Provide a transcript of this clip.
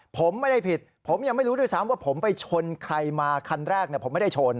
ผมไม่ได้ผิดผมยังไม่รู้ด้วยซ้ำว่าผมไปชนใครมาคันแรกผมไม่ได้ชน